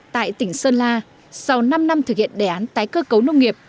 tại tỉnh sơn la sau năm năm thực hiện đề án tái cơ cấu nông nghiệp